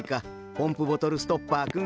ポンプボトルストッパーくん。